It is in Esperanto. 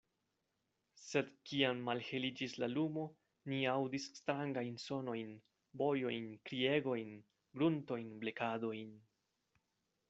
Sed kiam malheliĝis la lumo, ni aŭdis strangajn sonojn, bojojn, kriegojn, gruntojn, blekadojn.